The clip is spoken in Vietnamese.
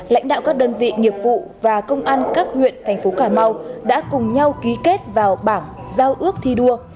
lãnh đạo các đơn vị nghiệp vụ và công an các huyện thành phố cà mau đã cùng nhau ký kết vào bảng giao ước thi đua